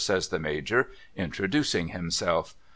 ' says the Major introducing himself.